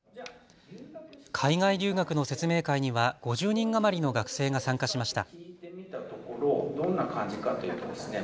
海外留学の説明会には５０人余りの学生が参加しました。